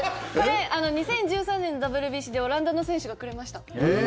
２０１３年のＷＢＣでオランダの選手がくれました。